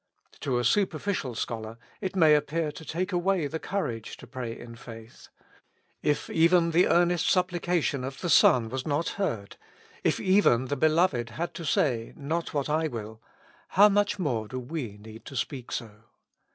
To a superficial scholar it may appear to take away the courage to pray in faith. If even the earnest supplication of the Son was not heard, if even the Beloved had to say, " Not what I WILL !" how much more do we need to speak so.